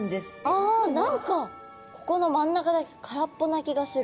ああ何かここの真ん中だけ空っぽな気がする。